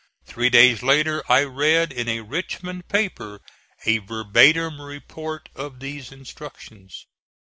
Three days later I read in a Richmond paper a verbatim report of these instructions.